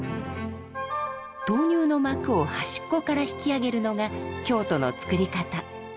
豆乳の膜を端っこから引き上げるのが京都の作り方。